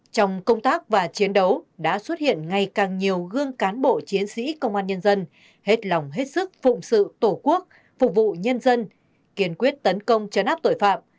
trong công tác và chiến đấu đã xuất hiện ngày càng nhiều gương cán bộ chiến sĩ công an nhân dân hết lòng hết sức phụng sự tổ quốc phục vụ nhân dân kiên quyết tấn công chấn áp tội phạm